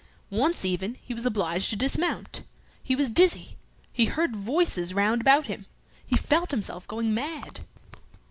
Once even he was obliged to dismount. He was dizzy; he heard voices round about him; he felt himself going mad.